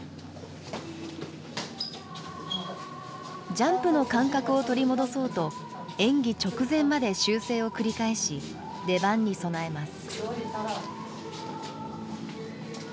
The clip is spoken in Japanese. ジャンプの感覚を取り戻そうと演技直前まで修正を繰り返し出番に備えます。